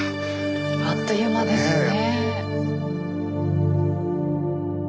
あっという間ですね。